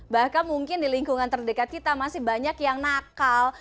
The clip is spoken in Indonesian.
bahkan mungkin di lingkungan terdekat kita masih banyak yang nakal